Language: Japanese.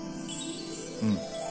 うん。